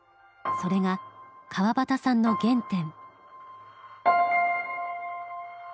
それが川端さんの原点。